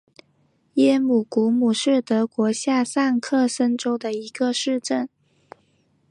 耶姆古姆是德国下萨克森州的一个市镇。